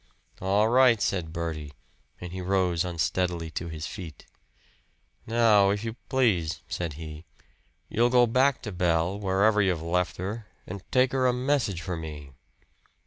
"All right," said Bertie; and he rose unsteadily to his feet. "Now, if you please," said he, "you'll go back to Belle, wherever you've left her, and take her a message for me."